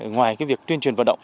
ngoài việc tuyên truyền vận động